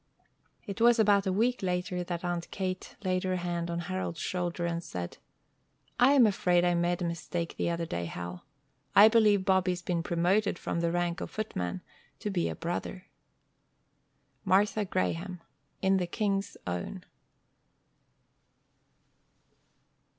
It was about a week later that Aunt Kate laid her hand on Harold's shoulder, and said: "I am afraid I made a mistake the other day, Hal. I believe Bobby's been promoted from the rank of footman to be a brother." _Martha Graham, in the King's Own.